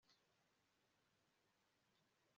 Ndibaza igihe ibyo byabereye